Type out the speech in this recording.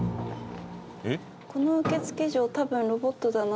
「『この受付嬢、たぶんロボットだな。』